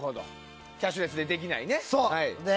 キャッシュレスでできないやつね。